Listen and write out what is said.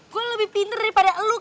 gua lebih pinter daripada lu